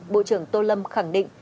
bộ trưởng tô lâm khẳng định